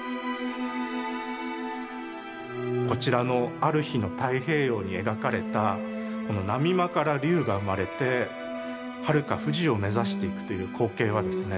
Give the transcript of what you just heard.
こちらの「或る日の太平洋」に描かれた波間から龍がうまれてはるか富士を目指していくという光景はですね